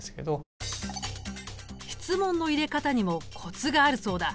質問の入れ方にもコツがあるそうだ。